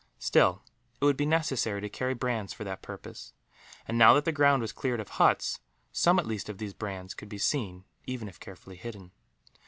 Still, it would be necessary to carry brands for that purpose and, now that the ground was cleared of huts, some at least of these brands could be seen, even if carefully hidden.